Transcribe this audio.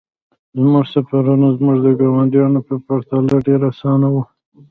زموږ سفرونه زموږ د ګاونډیانو په پرتله ډیر اسانه وو